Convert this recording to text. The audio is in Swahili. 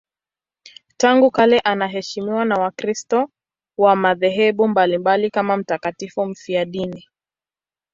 Tangu kale anaheshimiwa na Wakristo wa madhehebu mbalimbali kama mtakatifu mfiadini.